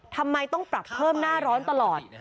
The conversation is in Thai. ทำไมต้องปรับเพิ่มหน้าร้อนตลอด